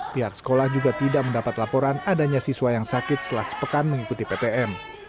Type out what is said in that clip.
pihak sekolah juga tidak mendapat laporan adanya siswa yang sakit setelah sepekan mengikuti ptm